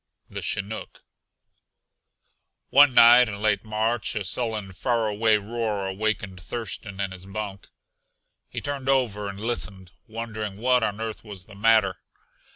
THE CHINOOK One night in late March a sullen, faraway roar awakened Thurston in his bunk. He turned over and listened, wondering what on earth was the matter.